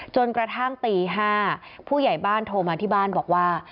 จนกระทั่งตี๕ผู้ใหญ่บ้านโทรมาที่บ้านบอกว่า